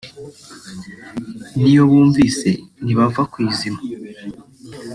n’iyo bumvise ntibava ki izima